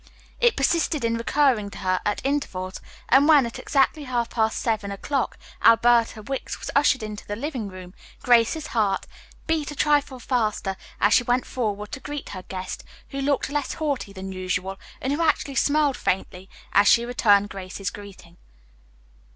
It persisted in recurring to her at intervals, and when, at exactly half past seven o'clock, Alberta Wicks was ushered into the living room, Grace's heart beat a trifle faster as she went forward to greet her guest, who looked less haughty than usual, and who actually smiled faintly as she returned Grace's greeting.